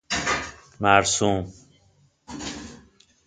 مرسوم